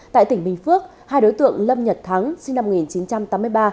tại tỉnh bình phước hai đối tượng lâm nhật thắng sinh năm một nghìn chín trăm tám mươi ba